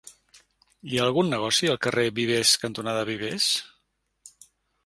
Hi ha algun negoci al carrer Vivers cantonada Vivers?